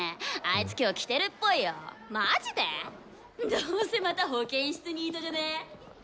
どうせまた保健室ニートじゃね？